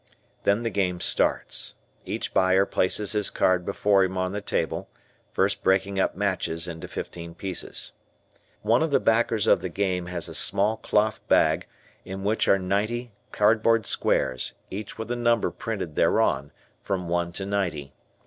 Then the game starts. Each buyer places his card before him on the table, first breaking up matches into fifteen pieces. One of the backers of the game has a small cloth bag in which are ninety cardboard squares, each with a number printed thereon, from one to ninety.